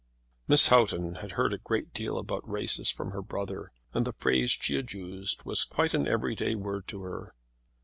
Miss Houghton had heard a good deal about races from her brother, and the phrase she had used was quite an everyday word to her.